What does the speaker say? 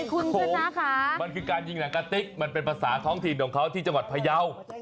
คุณผมมันคือการยิงหนังกะติ๊กมันเป็นภาษาท้องถิ่นของเขาที่จังหวัดพยาว